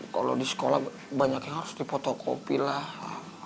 kalau di sekolah banyak yang harus dipotokopi lah